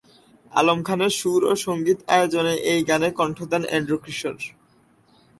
আলম খানের সুর ও সংগীত আয়োজনে এই গানে কণ্ঠ দেন এন্ড্রু কিশোর।